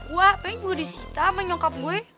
wah pengen gua disita sama nyokap gue